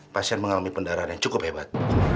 pasien mengalami pendarahan yang cukup hebat